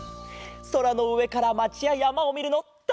そらのうえからまちややまをみるのたのしみだな。